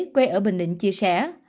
quê ở bình định chia sẻ